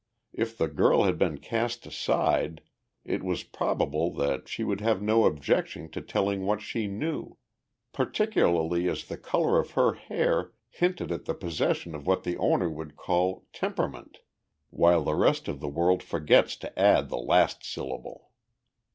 If the girl had been cast aside, it was probable that she would have no objection to telling what she knew particularly as the color of her hair hinted at the possession of what the owner would call "temperament," while the rest of the world forgets to add the last syllable.